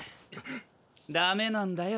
ダメなんだよ。